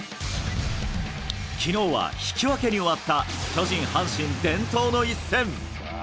昨日は引き分けに終わった巨人・阪神、伝統の一戦。